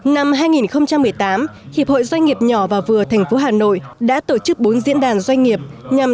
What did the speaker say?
năm hai nghìn một mươi tám hiệp hội doanh nghiệp nhỏ và vừa tp hà nội đã tổ chức bốn diễn đàn doanh nghiệp nhằm